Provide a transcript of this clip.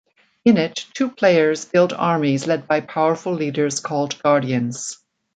In it, two players build armies led by powerful leaders called Guardians.